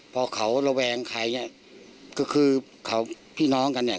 พอเขาระแวงใครเนี่ยก็คือเขาพี่น้องกันเนี่ย